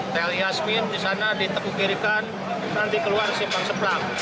tel yasmin di sana ditekukirikan nanti keluar simpang seplak